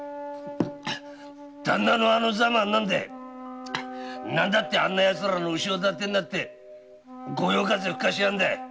旦那のあの様は何だい！何だってあんな奴らの後ろ盾になって御用風吹かしやがんだい！